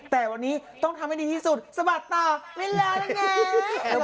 แต่วันนี้ต้องทำให้ดีที่สุดสะบัดต่อเวลาแล้วไง